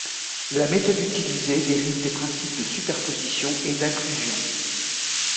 La méthode utilisée dérive des principes de superposition et d’inclusion.